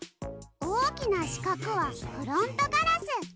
おおきなしかくはフロントガラス。